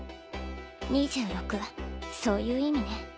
そういう意味ね。